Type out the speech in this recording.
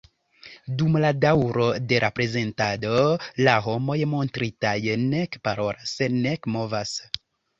Dum la daŭro de la prezentado, la homoj montritaj nek parolas, nek movas.